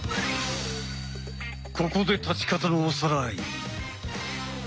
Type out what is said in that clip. ここで立ち方のおさらい。